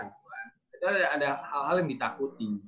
itu ada hal hal yang ditakuti